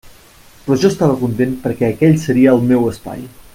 Però jo estava content perquè aquell seria el meu espai.